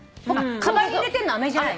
かばんに入れてるのあめじゃない？